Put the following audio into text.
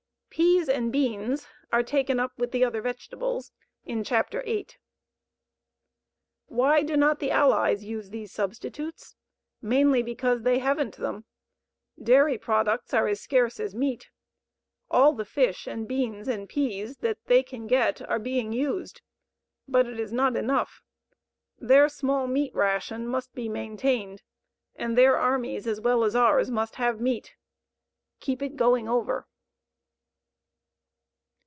Peas and Beans are taken up with the other vegetables in Chapter VIII. Why do not the Allies use these substitutes? Mainly because they haven't them. Dairy products are as scarce as meat. All the fish and beans and peas that they can get are being used. But it is not enough. THEIR SMALL MEAT RATION MUST BE MAINTAINED, AND THEIR ARMIES AS WELL AS OURS MUST HAVE MEAT. KEEP IT GOING OVER!